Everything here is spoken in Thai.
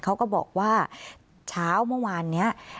เขาก็บอกว่าเช้าเมื่อวานนี้